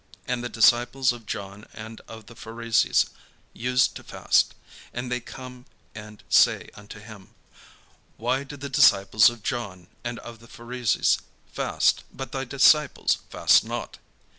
And the disciples of John and of the Pharisees used to fast: and they come and say unto him: "Why do the disciples of John and of the Pharisees fast, but thy disciples fast not?"